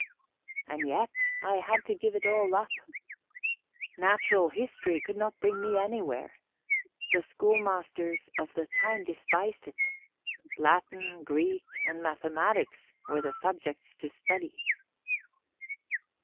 And yet I had to give it all up. Natural history could not bring me anywhere. The schoolmasters of the time despised it; Latin, Greek, and mathematics were the subjects to study.